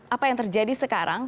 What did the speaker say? apa yang terjadi sekarang